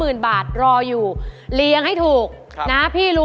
อุปกรณ์ทำสวนชนิดใดราคาถูกที่สุด